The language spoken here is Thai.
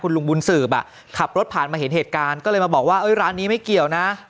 ลุงบุญสืบอ่ะขับรถผ่านมาเห็นเหตุการณ์ก็เลยมาบอกว่าร้านนี้ไม่เกี่ยวนะ